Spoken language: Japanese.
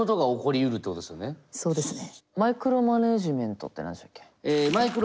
そうですね。